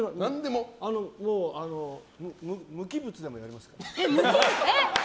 もう、無機物でもやりますから。